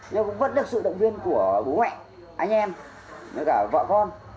nhưng cũng vẫn được sự động viên của bố mẹ anh em với cả vợ con